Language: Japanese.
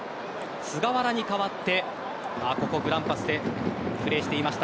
菅原に代わってここグランパスでプレーしていました